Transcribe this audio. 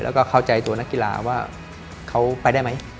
แล้วก็เข้าใจตัวนักกีฬาว่าเขาไปได้ไหม